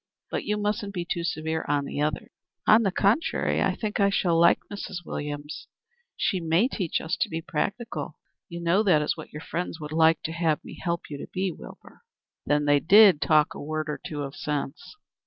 But you musn't be too severe on the others." "On the contrary, I think I shall like Mrs. Williams. She may teach us to be practical. You know that is what your friends would like to have me help you to be, Wilbur." "Then they did talk a word or two of sense?"